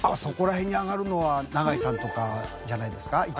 そこら辺に上がるのは永井さんとかじゃないですか？